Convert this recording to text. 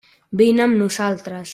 Vine amb nosaltres.